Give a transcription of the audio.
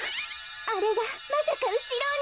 あれがまさかうしろに。